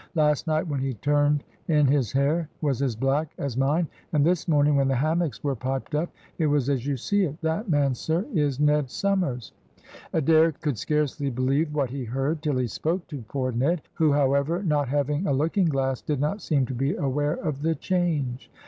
"Last night when he turned in his hair was as black as mine, and this morning, when the hammocks were piped up, it was as you see it. That man, sir, is Ned Somers!" Adair could scarcely believe what he heard till he spoke to poor Ned, who, however, not having a looking glass, did not seem to be aware of the change.